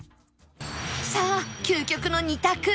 さあ究極の２択